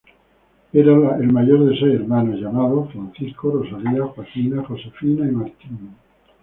Era el mayor de seis hermanos, llamados Francisco, Rosalía, Joaquina, Josefina y Martín.